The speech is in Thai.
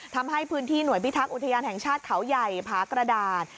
ทำให้พื้นที่หน่วยพิทักษ์อุทยานแห่งชาติเขาใหญ่ผากระดาษ